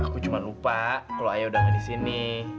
aku cuma lupa kalo ayah udah nge disini